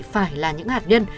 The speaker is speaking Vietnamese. phải là những hạt nhân